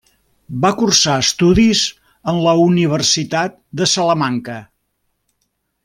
Va cursar estudis en la Universitat de Salamanca.